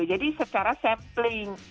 jadi secara sampling